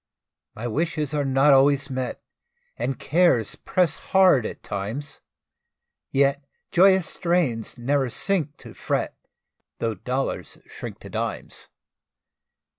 My wishes are not always met, And cares press hard at times; Yet joyous strains ne'er sink to fret, Tho' dollars shrink to dimes.